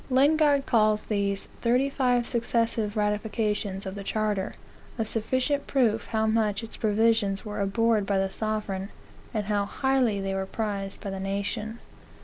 Lingard calls these "thirty five successive ratifications" of the charter, "a sufficient proof how much its provisions were abhorred by the sovereign, and how highly they were prized by the nation."